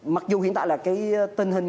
mặc dù hiện tại là cái tình hình